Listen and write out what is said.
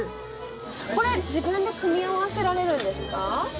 これ自分で組み合わせられるんですか？